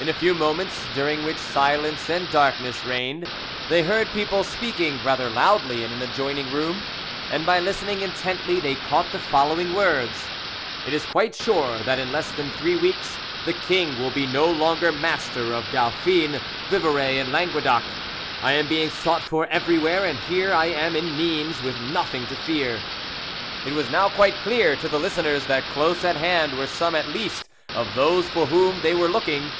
In a few moments, during which silence and darkness reigned, they heard people speaking rather loudly in an adjoining room, and by listening intently they caught the following words: "It is quite sure that in less than three weeks the king will be no longer master of Dauphine, Vivarais, and Languedoc. I am being sought for everywhere, and here I am in Nimes, with nothing to fear." It was now quite clear to the listeners that close at hand were some at least of those for whom they were looking.